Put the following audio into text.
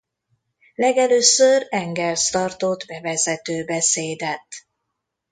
Legelőször Engels tartott bevezető beszédet.